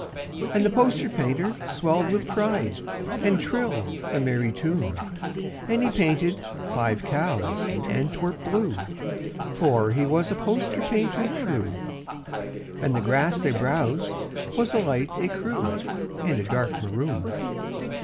And the poster painter swelled with pride And trilled a merry tune. And he painted five cows in Antwerp blue (For he was a poster painter true), And the grass they browsed was a light écru And a dark maroon.